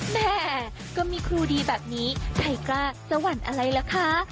แม่ก็มีครูดีแบบนี้ใครกล้าจะหวั่นอะไรล่ะคะ